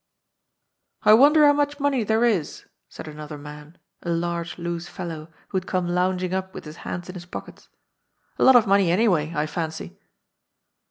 "I wonder how much money there is," said another man, a large, loose fellow, who had come lounging up with his hands in his pockets. *'A lot of money anyway, I fancy."